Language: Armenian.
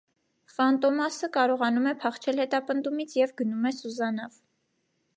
Ֆանտոմասը կարողանում է փախչել հետապնդումից և գնում է սուզանավ։